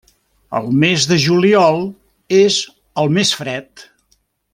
El mes de juliol és el més fred.